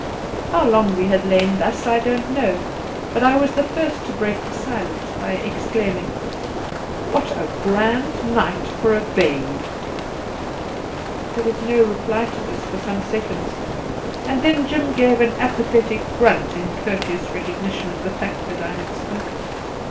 How long we had lain thus I don't know, but I was the first to break the silence by exclaiming :' What a grand night for a bathe !' There was no reply to this for some seconds, and then Jim gave an apathetic grunt in courteous The Pool 173 recognition of the fact that I had spoken.